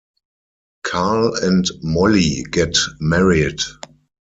Carl and Molly get married.